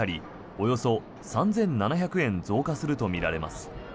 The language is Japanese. およそ３７００円増加するとみられます。